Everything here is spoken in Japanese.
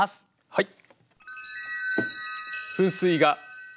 はい。